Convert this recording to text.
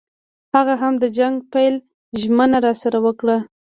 هغه هم د جنګ پیل ژمنه راسره وکړه.